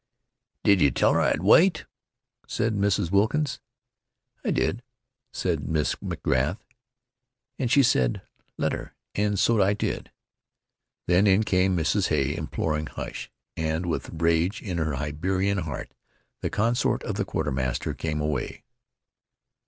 "Did ye tell her I'd wait?" said Mrs. Wilkins. "I did," said Miss McGrath, "an' she said 'Let her,' an' so I did." Then in came Mrs. Hay imploring hush, and, with rage in her Hibernian heart, the consort of the quartermaster came away.